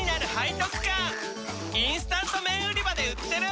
チキンかじり虫インスタント麺売り場で売ってる！